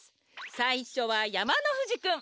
さいしょはやまのふじくん。